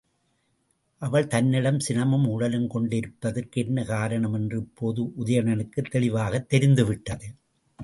அவள் தன்னிடம் சினமும் ஊடலும் கொண்டிருப்பதற்கு என்ன காரணம் என்று இப்போது உதயணனுக்குத் தெளிவாகத் தெரிந்துவிட்டது.